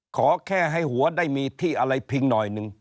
ขอแค่ให้หัวได้มีที่อะไรพิงหน่อยหนึ่ง